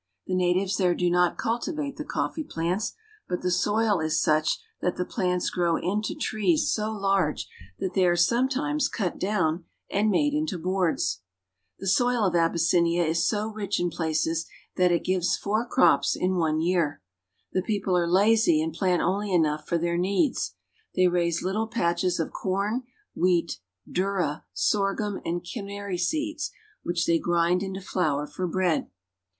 The natives there do not cultivate the coflEee plants, but the soil is such that the plants grow into trees so large that they are times cut down and made into boards. 1 Jie ^M ice m ;es 1 The soil of Abyssinia is so rich in places that it givef four crops in one year. The people are lazy and plai only enough for their needs. They raise little patches o corn, wheat, durra, sorghum, and canary seeds, which t grind into flour for bread.